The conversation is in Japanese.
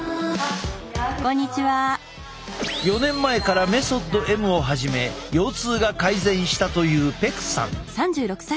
４年前からメソッドＭを始め腰痛が改善したというペクさん。